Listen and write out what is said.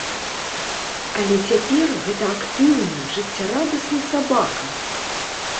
Але цяпер гэта актыўны, жыццярадасны сабака!